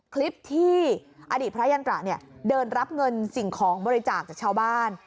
คลิปที่อดีตพระยันตระเนี่ยเดินรับเงินสิ่งของบริจาคจากชาวบ้าน